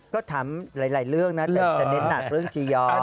ก็ถามหลายเรื่องนะจะเน้นหนักเรื่องจียอน